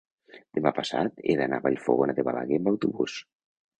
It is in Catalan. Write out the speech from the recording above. demà passat he d'anar a Vallfogona de Balaguer amb autobús.